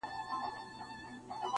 • ما ته سپي ؤ په ژوندینه وصیت کړی,